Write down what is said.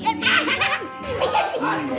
bokinnya apa itu